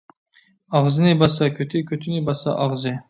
ئاغزىنى باسسا كۆتى، كۆتىنى باسسا ئاغزى.